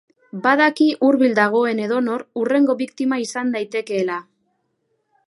Badaki hurbil dagoen edonor hurrengo biktima izan daitekeela.